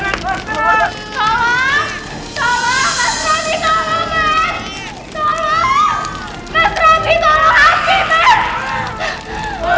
mas jangan semua kita pasti dalam pak